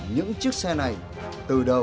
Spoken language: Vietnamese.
những chiếc xe này từ đâu